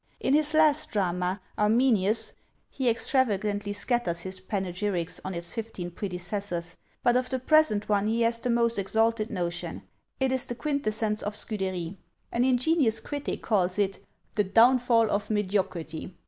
In his last drama, "Arminius," he extravagantly scatters his panegyrics on its fifteen predecessors; but of the present one he has the most exalted notion: it is the quintessence of Scudery! An ingenious critic calls it "The downfall of mediocrity!"